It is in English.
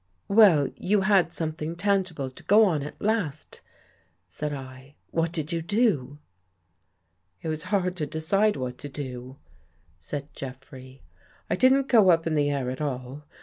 "Well, you had something tangible to go on at last," said I. " What did you do? "" It was hard to decide what to do," said Jeffrey. " I didn't go up in the air at all.